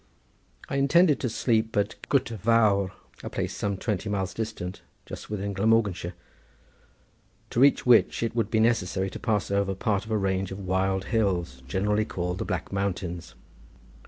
I intended to sleep at Gutter Vawr, a place some twenty miles distant, just within Glamorganshire, to reach which it would be necessary to pass over part of a range of wild hills, generally called the Black Mountains.